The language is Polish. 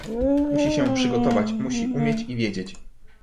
"Musi się przygotować, musi umieć i wiedzieć."